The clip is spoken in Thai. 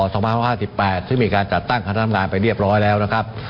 ซึ่งมีการจัดตั้งคณะงานไปเรียบร้อยแล้วนะครับ